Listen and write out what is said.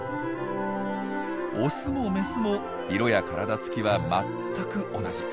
オスもメスも色や体つきは全く同じ。